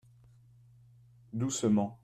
Doucement.